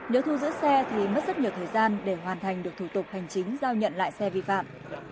nếu thu giữ xe thì mất rất nhiều thời gian để hoàn thành được thủ tục hành chính giao nhận lại xe vi phạm